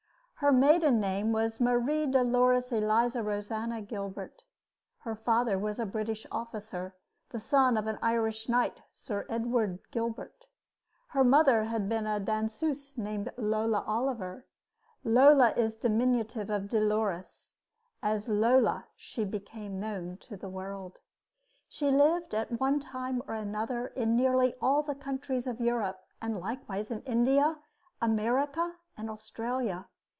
Her maiden name was Marie Dolores Eliza Rosanna Gilbert. Her father was a British officer, the son of an Irish knight, Sir Edward Gilbert. Her mother had been a danseuse named Lola Oliver. "Lola" is a diminutive of Dolores, and as "Lola" she became known to the world. She lived at one time or another in nearly all the countries of Europe, and likewise in India, America, and Australia.